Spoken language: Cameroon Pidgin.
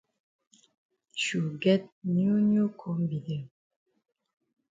Shu get new new kombi dem.